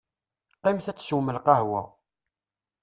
Qqimet ad teswem lqahwa.